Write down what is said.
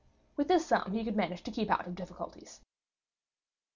With this sum he could manage to keep out of difficulties.